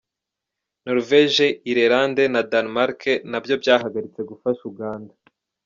Norvege, Ireland na Danemark na byo byahagaritse gufasha Uganda.